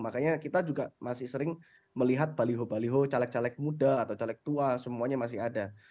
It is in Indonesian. makanya kita juga masih sering melihat baliho baliho caleg caleg muda atau caleg tua semuanya masih ada